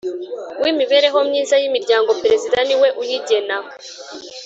w imibereho myiza y imiryango Perezida niwe uyigena